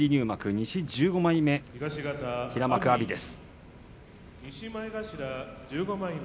西１５枚目平幕、阿炎です。